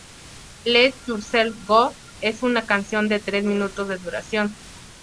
Let Yourself Go es una canción de tres minutos de duración.